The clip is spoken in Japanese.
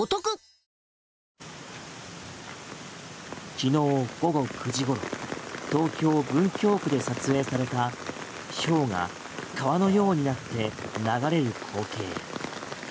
昨日午後９時ごろ東京・文京区で撮影されたひょうが川のようになって流れる光景。